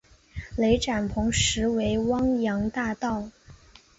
雷展鹏实为汪洋大盗。